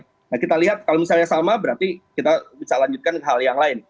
nah kita lihat kalau misalnya sama berarti kita bisa lanjutkan hal yang lain